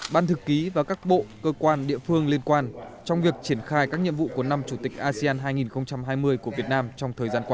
ban thực ký và các bộ cơ quan địa phương liên quan trong việc triển khai các nhiệm vụ của năm chủ tịch asean hai nghìn hai mươi của việt nam trong thời gian qua